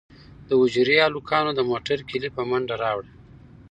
د حجرې هلکانو د موټر کیلي په منډه راوړه.